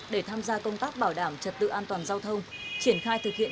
để tham gia công tác bảo đảm trật tự an toàn giao thông triển khai thực hiện